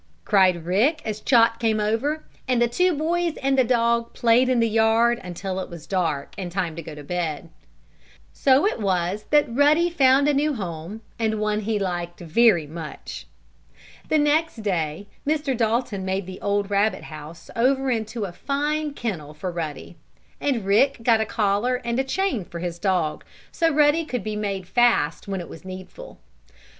cried Rick, as Chot came over, and the two boys and the dog played in the yard until it was dark and time to go to bed. So it was that Ruddy found a new home, and one he liked very much. The next day Mr. Dalton made the old rabbit house over into a fine kennel for Ruddy, and Rick got a collar and chain for his dog, so Ruddy could be made fast when it was needful.